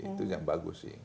itu yang bagus sih